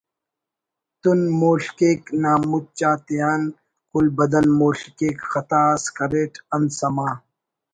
تن مول/ کیک نا مُچ آتیان کل بدن مول/ کیک خطا اس کریٹ انت سما